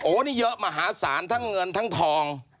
นี่เยอะมหาศาลทั้งเงินทั้งทอง